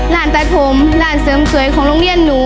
ร้านตัดผมร้านเสริมสวยของโรงเรียนหนู